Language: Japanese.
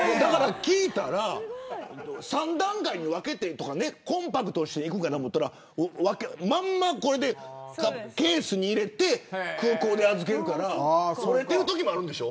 聞いたら３段階に分けてとかコンパクトにするのかと思ったらそのまんまそれでケースに入れて空港に預けるから折れてるときもあるんでしょ。